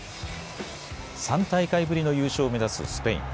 ３大会ぶりの優勝を目指すスペイン。